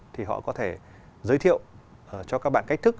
thì họ có thể giới thiệu cho các bạn cách thức